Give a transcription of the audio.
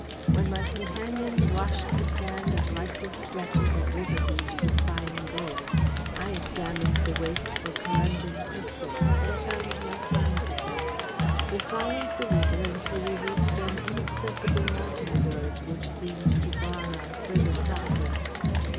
When my companions washed the sands of likely stretches of river beach for fine gold, I examined the waste for corundum crystals, but I found no signs of them. "We followed the river until we reached an inaccessible mountain gorge which seemed to bar our further progress.